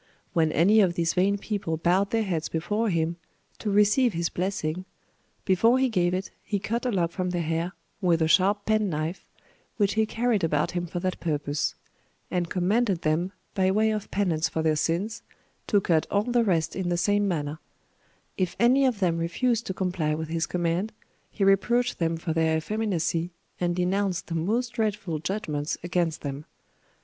When any of these vain people bowed their heads before him, to receive his blessing, before he gave it he cut a lock from their hair, with a sharp penknife, which he carried about him for that purpose; and commanded them, by way of penance for their sins, to cut all the rest in the same manner: if any of them refused to comply with his command he reproached them for their effeminacy, and denounced the most dreadful judgments against them.